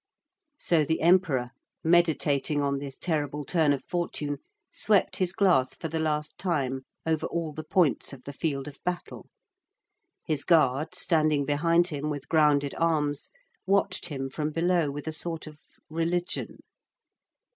So the Emperor, meditating on this terrible turn of fortune, swept his glass for the last time over all the points of the field of battle. His guard, standing behind him with grounded arms, watched him from below with a sort of religion.